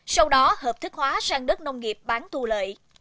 sau đó hợp thức hóa sang đất nông nghiệp bán thu lợi